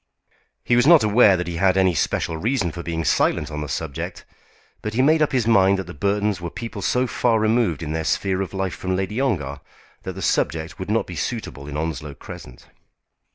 He was not aware that he had any special reason for being silent on the subject, but he made up his mind that the Burtons were people so far removed in their sphere of life from Lady Ongar, that the subject would not be suitable in Onslow Crescent.